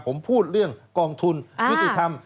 ผมพูดเรื่องกองทุนยุติธรรม